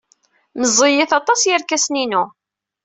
Meẓẓiyit aṭas yerkasen-inu.